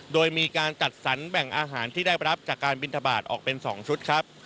โดยมีการจัดสรรแบ่งอาหารที่ได้รับจากการบินทบาทออกเป็น๒ชุดครับ